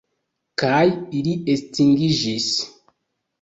Kaj ili estingiĝis.